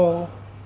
phải có tắc phẩm